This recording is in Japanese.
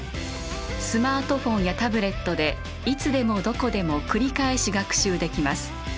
スマートフォンやタブレットでいつでもどこでも繰り返し学習できます。